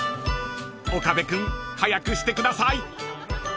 ［岡部君早くしてください］